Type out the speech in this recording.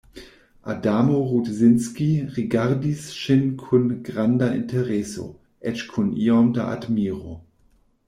Adamo Rudzinski rigardis ŝin kun granda intereso, eĉ kun iom da admiro.